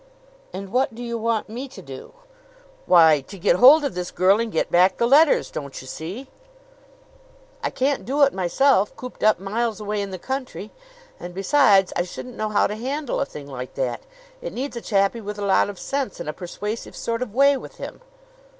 "And what do you want me to do?" "Why, to get hold of this girl and get back the letters don't you see? I can't do it myself, cooped up miles away in the country. And besides, I shouldn't know how to handle a thing like that. It needs a chappie with a lot of sense and a persuasive sort of way with him."